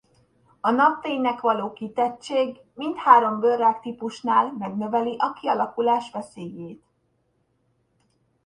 A napfénynek való kitettség mindhárom bőrrák típusnál megnöveli a kialakulás veszélyét.